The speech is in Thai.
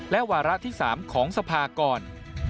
และวาระที่๓ของสภาก่อน